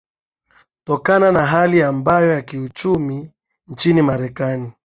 tokana na hali mbaya ya kiuchumi nchini marekani